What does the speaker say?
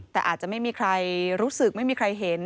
แต่อาจจะไม่มีใครรู้สึกไม่มีใครเห็น